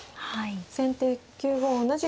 先手９五同じく角。